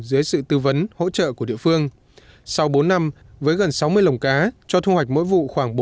dưới sự tư vấn hỗ trợ của địa phương sau bốn năm với gần sáu mươi lồng cá cho thu hoạch mỗi vụ khoảng